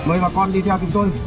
mời bà con đi theo tìm tôi